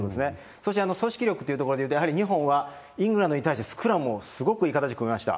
そして組織力というところでいうと、やはり日本はイングランドに対して、スクラムをすごくいい形で組みました。